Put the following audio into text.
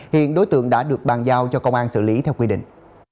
hiện đối tượng đã được bàn giao cho công an xử lý theo quy định